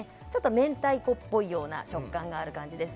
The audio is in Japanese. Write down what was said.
明太子っぽいような食感がある感じです。